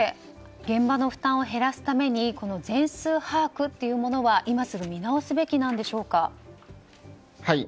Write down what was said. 現場の負担を減らすために全数把握というものは今すぐ見直すべきなんでしょうか。